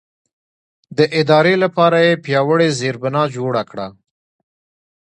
د ادارې لپاره یې پیاوړې زېربنا جوړه کړه.